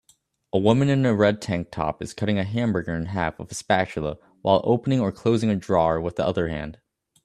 A woman in a red tank top is cutting a hamburger in half with a spatula while opening or closing a drawer with the other hand